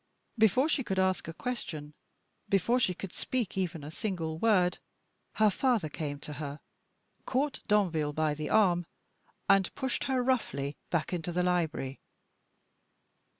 Before she could ask a question before she could speak even a single word her father came to her, caught Danville by the arm, and pushed her roughly back into the library.